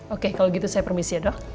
oke kalau gitu saya permisi ya dok